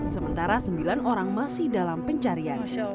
sementara sembilan orang masih dalam pencarian